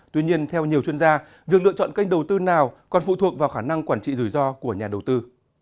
tuy nhiên theo nhiều chuyên gia việc lựa chọn kênh đầu tư nào còn phụ thuộc vào khả năng quản trị rủi ro của nhà đầu tư